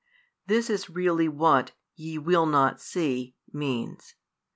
This is really what "Ye will not see" means.